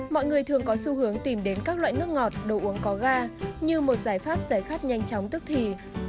mọi người thường có xu hướng tìm đến các loại nước ngọt đồ uống có ga như một giải pháp giải khát nhanh chóng tức thì